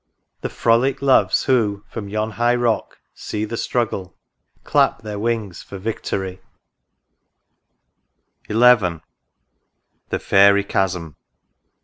The frolic Loves who, from yon high rock, see The struggle, clap their wings for victory 1 THE RIVER DUDDON. 13 XL THE FAERY CHASM.